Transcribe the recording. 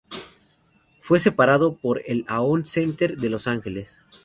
Fue superado por el Aon Center de Los Ángeles.